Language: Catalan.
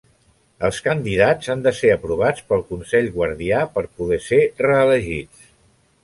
Els candidats han de ser aprovats pel Consell Guardià per poder ser reelegits.